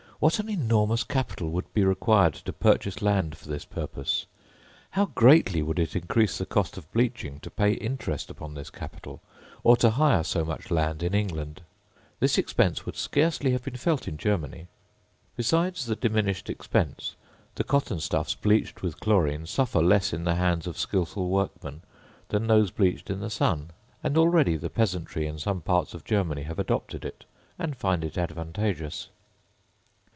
What an enormous capital would be required to purchase land for this purpose! How greatly would it increase the cost of bleaching to pay interest upon this capital, or to hire so much land in England! This expense would scarcely have been felt in Germany. Besides the diminished expense, the cotton stuffs bleached with chlorine suffer less in the hands of skilful workmen than those bleached in the sun; and already the peasantry in some parts of Germany have adopted it, and find it advantageous.